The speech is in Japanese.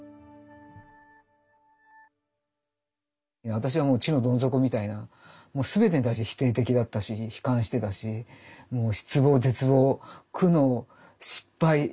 私はもう地のどん底みたいな全てに対して否定的だったし悲観してたしもう失望絶望苦悩失敗。